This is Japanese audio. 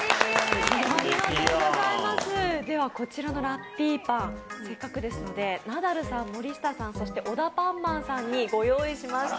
こちらのラッピーパンせっかくですのでナダルさん、森下さん、そしてオダパンマンさんにご用意しました。